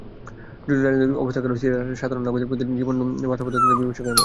জটিল রাজনৈতিক অবস্থার কারণে সিরিয়ার সাধারণ নাগরিকদের প্রতিদিন জীবন বাস্তবতার দ্বন্দ্বে বিভীষিকাময়।